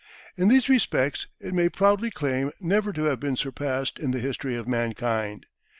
In these respects it may proudly claim never to have been surpassed in the history of mankind.